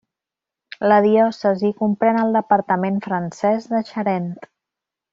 La diòcesi comprèn el departament francès de Charente.